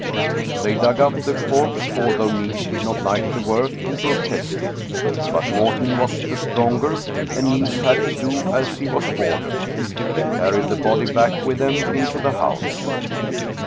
They dug up the corpse, al though Niels did not like the work, and protested. But Morten was the stronger, and Niels had to do as he was ordered. They carried the body back with them into the house.